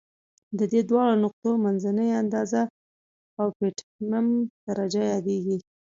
د دې دواړو نقطو منځنۍ اندازه اؤپټیمم درجه یادیږي.